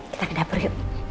kita ke dapur yuk